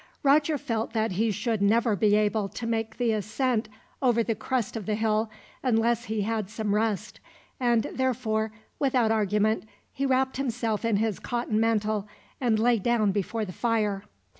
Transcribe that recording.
Roger felt that he should never be able to make the ascent over the crest of the hill, unless he had some rest; and therefore, without argument, he wrapped himself in his cotton mantle, and lay down before the fire.